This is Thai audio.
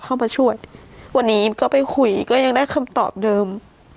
เข้ามาช่วยวันนี้ก็ไปคุยก็ยังได้คำตอบเดิม